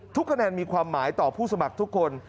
คะแนนมีความหมายต่อผู้สมัครทุกคน